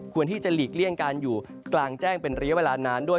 ที่จะหลีกเลี่ยงการอยู่กลางแจ้งเป็นระยะเวลานานด้วย